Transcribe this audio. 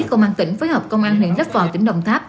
công an tỉnh phối hợp công an huyện lấp vò tỉnh đồng tháp